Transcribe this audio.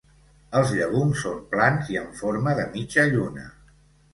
Els llegums són plans i en forma de mitja lluna.